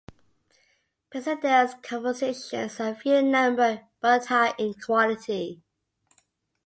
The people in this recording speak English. Pisendel's compositions are few in number but high in quality.